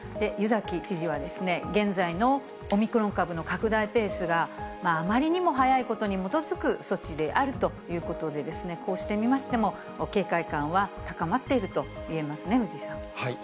湯崎知事は、現在のオミクロン株の拡大ペースが、あまりにも速いことに基づく措置であるということで、こうして見ましても、警戒感は高まっていると言えますね、藤井さん。